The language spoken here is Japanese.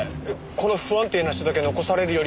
この不安定な人だけ残されるよりは。